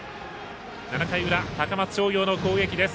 ７回裏、高松商業の攻撃です。